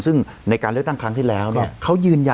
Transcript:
ซึ่งในการเลือกตั้งครั้งที่แล้วเนี่ย